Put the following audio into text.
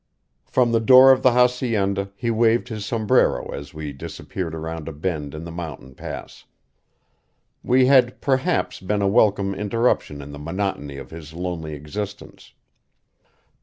From the door of the hacienda he waved his sombrero as we disappeared around a bend in the mountain pass; we had, perhaps, been a welcome interruption in the monotony of his lonely existence.